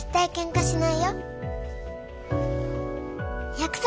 約束！